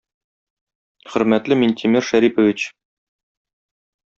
Хөрмәтле Минтимер Шәрипович!